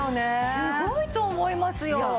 すごいと思いますよ。